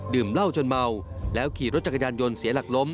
เหล้าจนเมาแล้วขี่รถจักรยานยนต์เสียหลักล้ม